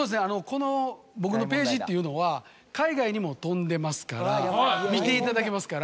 この僕のページっていうのは海外にも飛んでますから見ていただけますから。